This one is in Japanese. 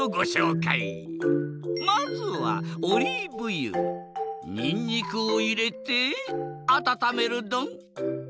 まずはオリーブ油にんにくをいれてあたためるドン。